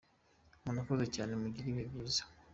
Murakoze cyane, mugire ibihe byiza.